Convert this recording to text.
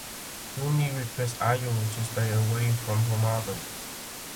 Bhumi requests Arjo to stay away from her mother.